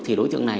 thì đối tượng này